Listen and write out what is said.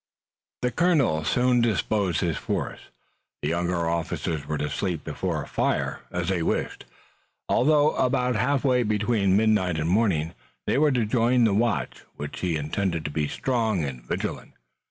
The colonel soon disposed his force. The younger officers were to sleep before a fire as they wished, although about half way between midnight and morning they were to join the watch, which he intended to be strong and vigilant.